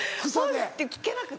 怖くて聞けなくて。